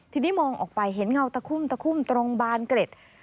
ทีนี้มองออกไปเห็นเงาตะคุ่มตะคุ่มตรงบานเกร็ด